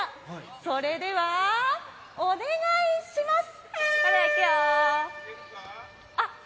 それではお願いします。